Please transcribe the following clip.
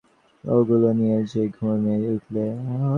ওগুলো নিয়ে যে ঘেমে উঠলে!